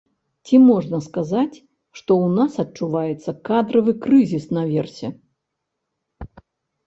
Ці можна сказаць, што ў нас адчуваецца кадравы крызіс наверсе?